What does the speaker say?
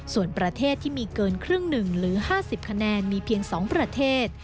ส่วนประเทศที่มีเกินครึ่งหนึ่งหรือ๕๐คะแนนมีเพียง๒ประเทศ